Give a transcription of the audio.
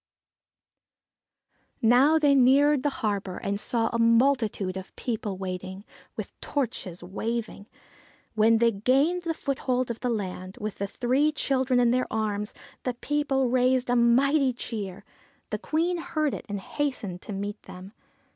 Now they neared the harbour, and saw a multitude of people waiting, with torches waving. When they gained the foothold of the land, with the three children in their arms, the people raised a mighty cheer. The Queen heard it and hastened to meet them.